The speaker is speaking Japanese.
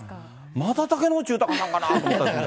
また竹野内豊さんかなと思ったりする。